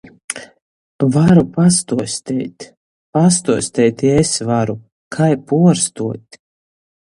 Varu pastuosteit... Pastuosteit i es varu. Kai puorstuot?